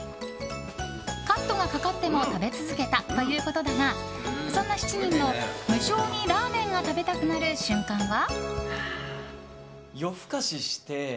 カットがかかっても食べ続けたということだがそんな７人の、無性にラーメンが食べたくなる瞬間は？